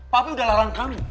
papi udah larang kami